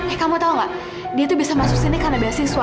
eh kamu tau gak dia tuh bisa masuk sini karena beasiswa